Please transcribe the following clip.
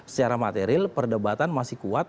secara material perdebatan masih kuat